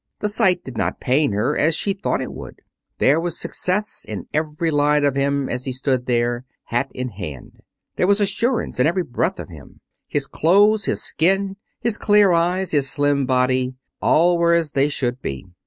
The sight did not pain her as she thought it would. There was success in every line of him as he stood there, hat in hand. There was assurance in every breath of him. His clothes, his skin, his clear eyes, his slim body, all were as they should be.